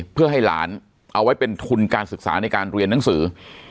เพื่อให้หลานเอาไว้เป็นทุนการศึกษาในการเรียนหนังสือ